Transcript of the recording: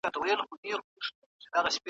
په مرکه کي بايد سپکي خبري ونه سي.